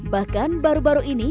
bahkan baru baru ini